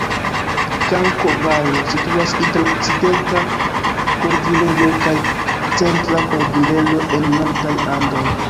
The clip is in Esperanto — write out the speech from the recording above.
Kaŭko-Valo situas inter Okcidenta Kordilero kaj Centra Kordilero en nordaj Andoj.